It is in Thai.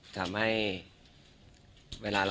เพราะว่า